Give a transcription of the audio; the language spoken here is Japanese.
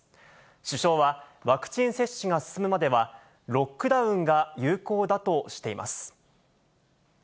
首相は、ワクチン接種が進むまではロックダウンが有効だとしています。